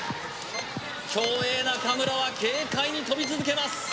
競泳・中村は軽快に跳び続けます